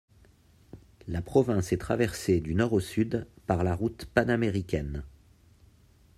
La province est traversée du nord au sud par la route panaméricaine.